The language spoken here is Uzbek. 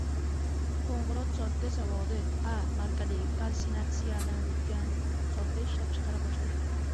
«Qo‘ng‘irot soda zavodi» «A» markali kalsinatsiyalangan soda ishlab chiqara boshladi